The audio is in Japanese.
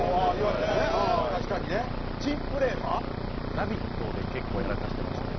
『ラヴィット！』で結構やらかしてまして。